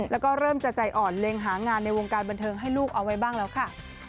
แล้วก็เริ่มจะใจอ่อนเล็งหางานในวงการบันเทิงให้ลูกเอาไว้บ้างแล้วค่ะ